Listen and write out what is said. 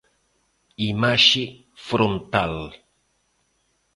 Imaxe frontal.